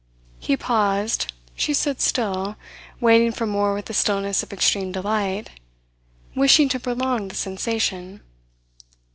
He paused. She stood still, waiting for more with the stillness of extreme delight, wishing to prolong the sensation.